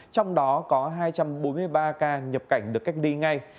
trong đó có hai trăm bốn mươi ba ca nhập cảnh được cách ly ngay